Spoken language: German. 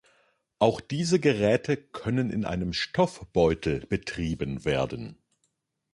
Auch diese Geräte können in einem Stoffbeutel betrieben werden.